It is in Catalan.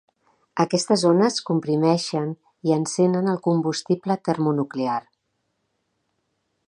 Aquestes ones comprimeixen i encenen el combustible termonuclear.